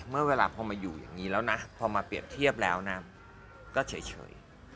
เมื่อเวลามาอยู่มันอย่างนี้แบบนี้ก็เฉย